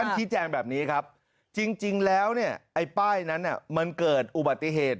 ไปที่หลังคาโรงงานนี้ค่า้นไม่ได้ติด